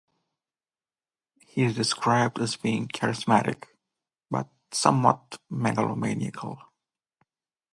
He is described as being charismatic but somewhat megalomaniacal.